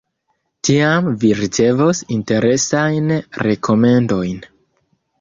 Tiam vi ricevos interesajn rekomendojn….